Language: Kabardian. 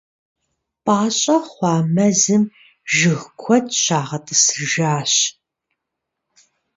Пӏащӏэ хъуа мэзым жыг куэд щагъэтӏысыжащ.